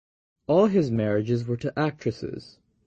All his marriages were to actresses.